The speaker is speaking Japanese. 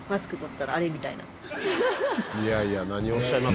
いやいや何をおっしゃいます。